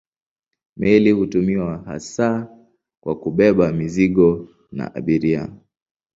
Meli hutumiwa hasa kwa kubeba mizigo na abiria.